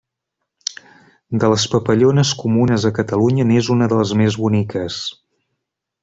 De les papallones comunes a Catalunya n'és una de les més boniques.